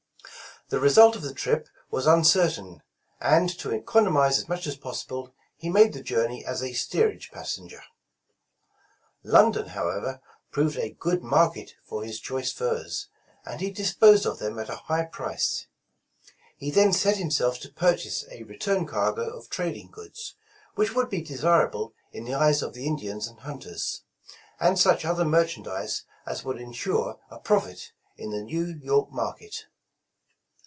The result of the trip was uncertain, and to economize as much as possible, he made the journey as a steerage passenger. 128 The East India Pass London, however, proved a good market for his choice furs, and he disposed of them at a high price. He then set himself to purchase a return cargo of trad ing goods, which would be desirable in the eyes of the In dians and hunters, and such other merchandise as would insure a profit in the New York market.